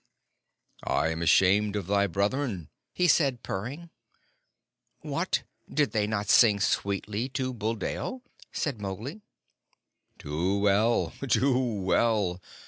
"I am ashamed of thy brethren," he said, purring. "What? Did they not sing sweetly to Buldeo?" said Mowgli. "Too well! Too well!